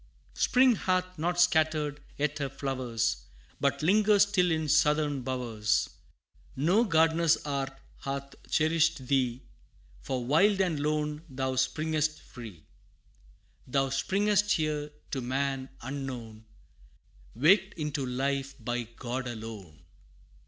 Spring hath not scattered yet her flowers, But lingers still in southern bowers; No gardener's art hath cherished thee, For wild and lone thou springest free. Thou springest here to man unknown, Waked into life by God alone!